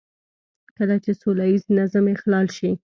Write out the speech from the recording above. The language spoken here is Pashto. کله چې سوله ييز نظم اخلال شي.